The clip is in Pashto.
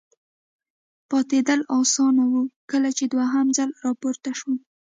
پاتېدل اسانه و، کله چې دوهم ځل را پورته شوم.